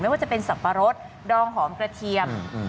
ว่าจะเป็นสับปะรดดองหอมกระเทียม